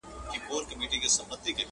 هر پاچا يې دنيادار لکه قارون وو.!